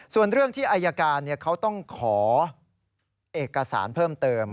ส่วนเรื่องที่อายการเขาต้องขอเอกสารเพิ่มเติม